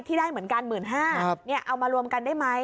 ได้เหมือนกัน๑๕๐๐บาทเอามารวมกันได้ไหม